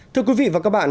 thưa quý vị và các bạn